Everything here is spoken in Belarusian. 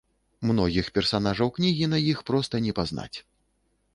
Многіх персанажаў кнігі на іх проста не пазнаць.